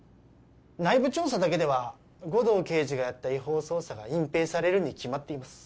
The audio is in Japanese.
内部調査だけでは護道刑事がやった違法捜査が隠蔽されるに決まっています